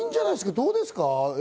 どうですか？